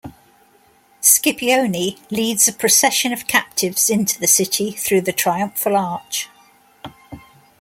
Scipione leads a procession of captives into the city through the triumphal arch.